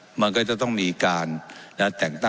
เจ้าหน้าที่ของรัฐมันก็เป็นผู้ใต้มิชชาท่านนมตรี